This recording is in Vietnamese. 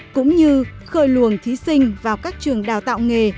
cũng như khơi luồng thí sinh vào các trường đào tạo nghề